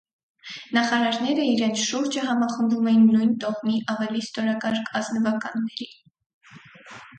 Նախարարները իրենց շուրջը համախմբում էին նույն տոհմի ավելի ստորակարգ ազնվականների։